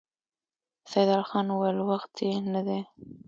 سيدال خان وويل: وخت يې نه دی؟